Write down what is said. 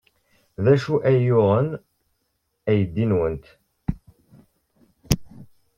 D acu ay yuɣen aydi-nwent?